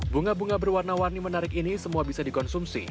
bunga bunga berwarna warni menarik ini semua bisa dikonsumsi